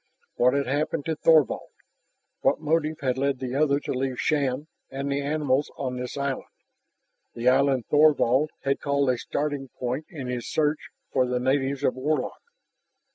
What had happened to Thorvald? What motive had led the other to leave Shann and the animals on this island, the island Thorvald had called a starting point in his search for the natives of Warlock?